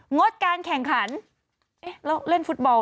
งดการแข่งขันเอ๊ะแล้วเล่นฟุตบอล